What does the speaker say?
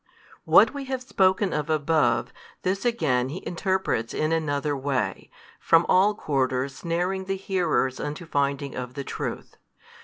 What we have spoken of above, this again He interprets in another way, from all quarters snaring the hearers unto finding of the truth.